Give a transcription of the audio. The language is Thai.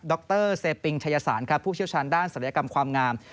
รเซปิงชายสารครับผู้เชี่ยวชาญด้านศัลยกรรมความงาม